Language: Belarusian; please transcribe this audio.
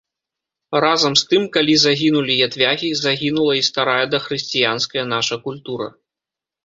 Разам з тым, калі загінулі ятвягі, загінула і старая дахрысціянская наша культура.